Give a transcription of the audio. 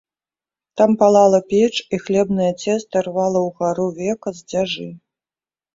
Там палала печ, і хлебнае цеста рвала ўгару века з дзяжы.